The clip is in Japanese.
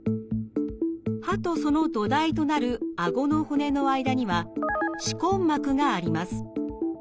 歯とその土台となるあごの骨の間には歯根膜があります。